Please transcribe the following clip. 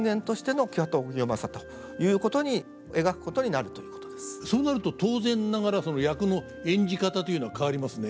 明治初期からはそうなると当然ながら役の演じ方というのは変わりますね。